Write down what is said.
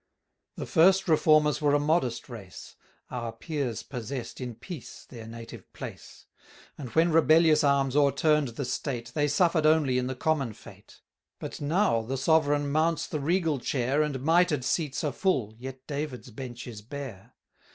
The first Reformers were a modest race; Our peers possess'd in peace their native place; And when rebellious arms o'erturn'd the state, 730 They suffer'd only in the common fate: But now the Sovereign mounts the regal chair, And mitred seats are full, yet David's bench is bare.